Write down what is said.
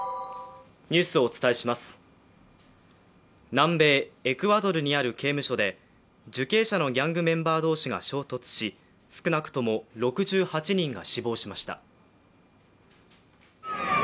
南米エクアドルにある刑務所で、受刑者のギャングメンバー同士が衝突し少なくとも６８人が死亡しました。